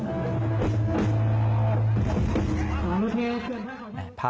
ส่วนหนึ่งส่วนหน้าของแม่